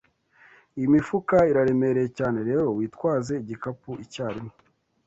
Iyi mifuka iraremereye cyane, rero witwaze igikapu icyarimwe.